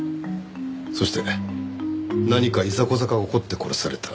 そして何かいざこざが起こって殺された。